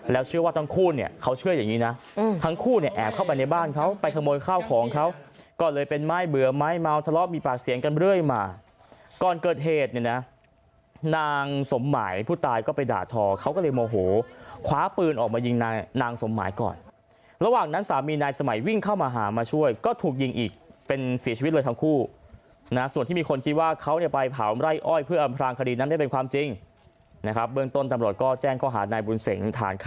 แล้วเชื่อว่าต้องคู่เนี่ยเขาเชื่ออย่างนี้นะทั้งคู่เนี่ยแอบเข้าไปในบ้านเขาไปขโมยข้าวของเขาก็เลยเป็นไม้เบื่อไม้เมาทะเลาะมีปากเสียงกันเรื่อยมาก่อนเกิดเหตุเนี่ยนะนางสมหมายผู้ตายก็ไปด่าทอเขาก็เลยโมโหขวาปืนออกมายิงนางสมหมายก่อนระหว่างนั้นสามีนายสมัยวิ่งเข้ามาหามาช่วยก็ถูกยิงอีกเป็นเสียชีวิตเลยท